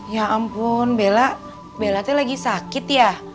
ya ampun bella bella tuh lagi sakit ya